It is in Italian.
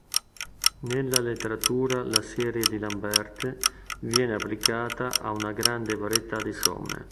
Nella letteratura la "serie di Lambert" viene applicata a una grande varietà di somme.